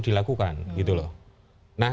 dilakukan gitu loh nah